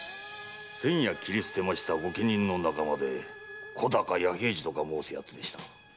先夜斬り捨てた御家人の仲間で小高弥平次とか申す奴でした。